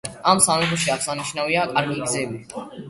ამ სამეფოში აღსანიშნავია კარგი გზები.